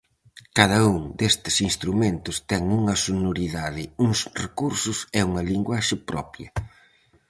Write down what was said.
Cada un destes instrumentos ten unha sonoridade, uns recursos e unha linguaxe propia.